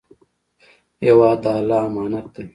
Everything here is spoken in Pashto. هېواد د الله امانت دی.